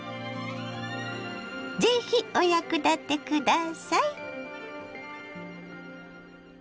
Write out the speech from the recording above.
是非お役立て下さい。